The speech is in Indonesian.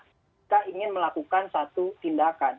kita ingin melakukan satu tindakan